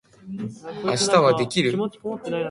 明日はできる？